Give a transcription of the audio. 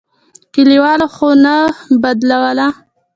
کلیوالو خوا نه بدوله.